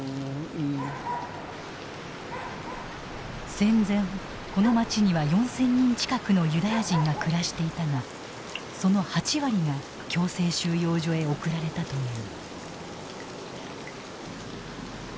戦前この町には４，０００人近くのユダヤ人が暮らしていたがその８割が強制収容所へ送られたという。